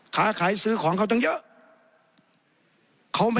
ค้าขายซื้อของเขาตั้งเยอะ